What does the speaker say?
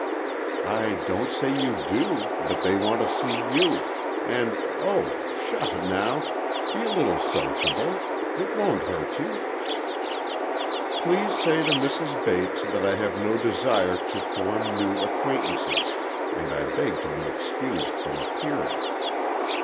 "I don't say you do, but they want to see you,—and—oh, pshaw, now, be a little sociable. It won't hurt you." "Please say to Mrs. Bates that I have no desire to form new acquaintances, and I beg to be excused from appearing."